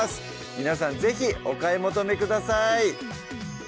皆さん是非お買い求めください